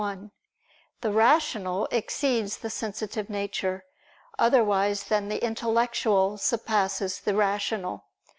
1: The rational exceeds the sensitive nature, otherwise than the intellectual surpasses the rational.